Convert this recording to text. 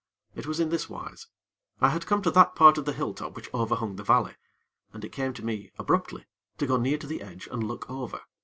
It was in this wise: I had come to that part of the hill top which overhung the valley, and it came to me, abruptly, to go near to the edge and look over.